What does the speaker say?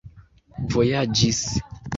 vojaĝis